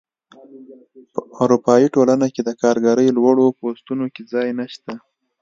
په اروپايي ټولنه کې د کارګرۍ لوړو پوستونو کې ځای نشته.